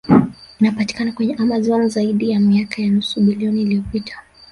Inapatikana kwenye Amazon Zaidi ya miaka ya nusu bilioni iliyopita